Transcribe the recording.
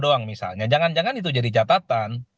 doang misalnya jangan jangan itu jadi catatan